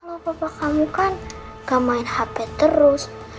kalau papa kamu kan gak main hp terus